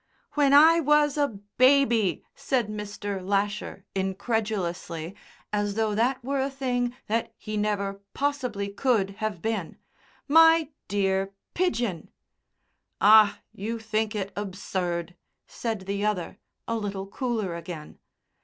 "When I was a baby," said Mr. Lasher, incredulously, as though that were a thing that he never possibly could have been, "my dear Pidgen!" "Ah, you think it absurd," said the other, a little cooler again.